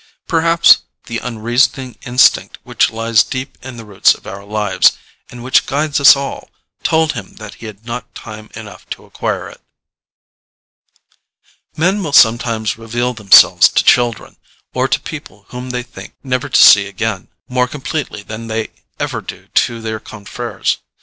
Perhaps the unreasoning instinct which lies deep in the roots of our lives, and which guides us all, told him that he had not time enough to acquire it. Men will sometimes reveal themselves to children, or to people whom they think never to see again, more completely than they ever do to their confreres.